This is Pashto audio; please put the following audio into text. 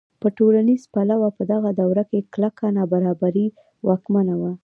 په ټولنیز پلوه په دغه دوره کې کلکه نابرابري واکمنه وه.